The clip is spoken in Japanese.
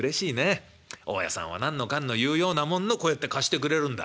大家さんは何のかんの言うようなもんのこうやって貸してくれるんだ。